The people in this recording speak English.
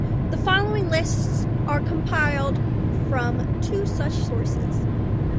The following lists are compiled from two such sources.